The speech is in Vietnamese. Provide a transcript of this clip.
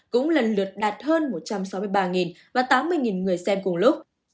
cũng lần lượt đạt hơn một trăm sáu mươi ba và tám mươi người xem cùng lúc